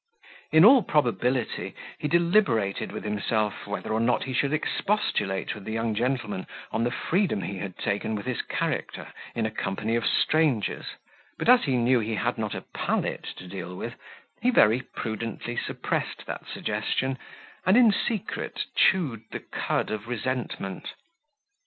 In all probability, he deliberated with himself, whether or not he should expostulate with the young gentleman on the freedom he had taken with his character in a company of strangers; but as he knew he had not a Pallet to deal with, he very prudently suppressed that suggestion, and, in secret, chewed the cud of resentment.